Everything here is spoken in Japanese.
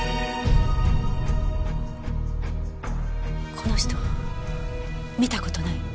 この人見た事ない？